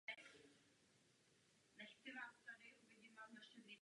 Jméno je kombinací slov „Univerzita“ a „Olympiáda“.